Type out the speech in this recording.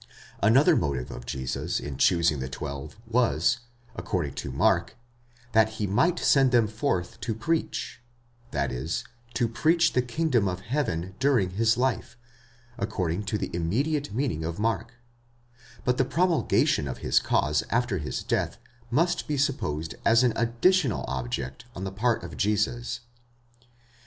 Another motive of Jesus in choosing the twelve, was, according to Mark, that he might send them forth to preach, that is, to preach the kingdom of heaven during his life, according to the immediate meaning of Mark ; but the promulgation of his cause after his death, must be supposed as an addi tional object on the part of Jesus.